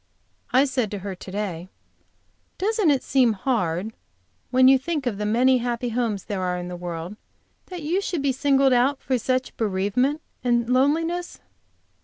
I said to her to day: "Doesn't it seem hard when you think of the many happy homes there are in the world, that you should be singled out for such bereavement and loneliness?"